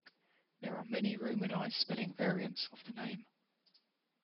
There are many Romanized spelling variants of the name.